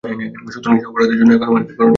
সুতরাং সে অপরাধের জন্য এখন আমার কী করণীয়?